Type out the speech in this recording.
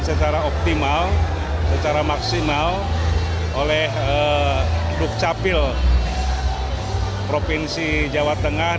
secara optimal secara maksimal oleh dukcapil provinsi jawa tengah